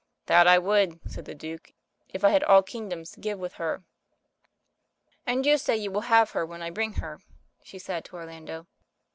"That I would," said the Duke, "if I had all kingdoms to give with her." "And you say you will have her when I bring her?" she said to Orlando.